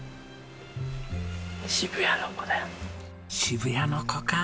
渋谷の子か。